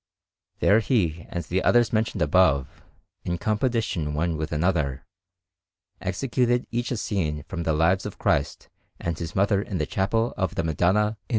There he and the others mentioned above, in competition one with another, executed each a scene from the Lives of Christ and His Mother in the Chapel of the Madonna in S.